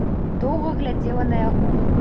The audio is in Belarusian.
Доўга глядзела на яго.